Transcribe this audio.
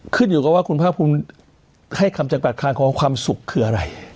ขึ้นอยู่กับว่าคุณภาคภูมิให้คำจำกัดคางของความสุขคืออะไร